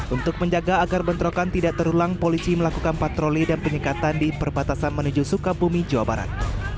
untuk menjaga agar bentrokan tidak terulang polisi melakukan patroli dan penyekatan di perbatasan menuju sukabumi jawa barat